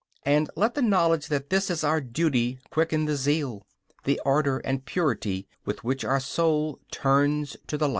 And let the knowledge that this is our duty quicken the zeal, the ardor and purity with which our soul turns to the light.